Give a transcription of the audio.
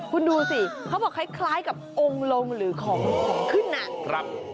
คุณดูสิเขาบอกคล้ายกับองค์ลงหรือของขึ้นนัก